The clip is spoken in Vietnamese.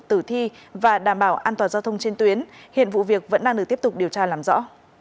tử thi và đảm bảo an toàn giao thông trên tuyến hiện vụ việc vẫn đang được tiếp tục điều tra làm rõ